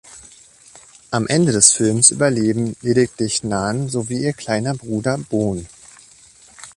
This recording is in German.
Am Ende des Films überleben lediglich Nan sowie ihr kleiner Bruder Bon.